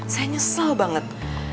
saya nyesel banget